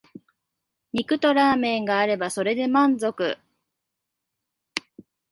肉とラーメンがあればそれで満足